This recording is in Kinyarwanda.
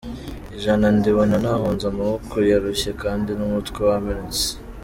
Ijana ndibona nahonze, amaboko yarushye kandi n’umutwe wamenetse.